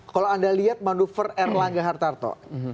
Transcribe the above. kalau anda lihat manuver erlangga hartarto